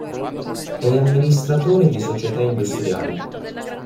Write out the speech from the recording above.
È amministratore di società industriali.